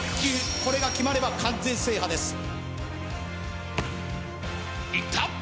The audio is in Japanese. これがきまれば完全制覇ですいった！